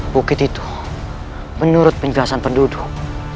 bukit itu menurut penjelasan penduduk